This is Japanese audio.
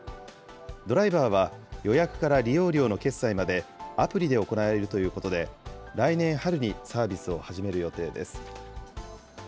ドライバーは予約から利用料の決済までアプリで行えるということで、来年春にサービスを始める予定です。